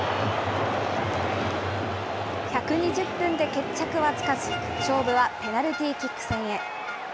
１２０分で決着はつかず、勝負はペナルティーキック戦へ。